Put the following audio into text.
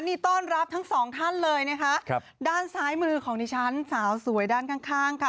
นี่ต้อนรับทั้งสองท่านเลยนะคะครับด้านซ้ายมือของดิฉันสาวสวยด้านข้างข้างค่ะ